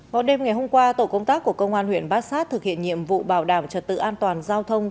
vào đêm ngày hôm qua tổ công tác của công an huyện bát sát thực hiện nhiệm vụ bảo đảm trật tự an toàn giao thông